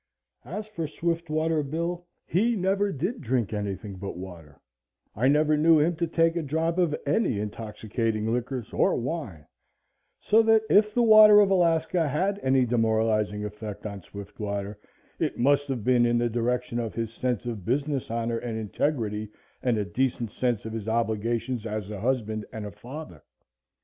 As for Swiftwater Bill, he never did drink anything but water I never knew him to take a drop of any intoxicating liquors or wine so that if the water of Alaska had any demoralizing effect on Swiftwater, it must have been in the direction of his sense of business honor and integrity and a decent sense of his obligations as a husband and a father.